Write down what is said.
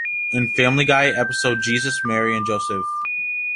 In "Family Guy" episode "Jesus, Mary and Joseph!